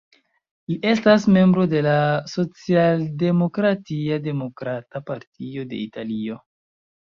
Li estas membro de la socialdemokratia Demokrata Partio de Italio.